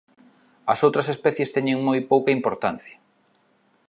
As outras especies teñen moi pouca importancia.